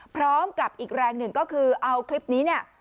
พร้อมกับอีกแรงหนึ่งก็คือเอาคลิปนี้เนี่ย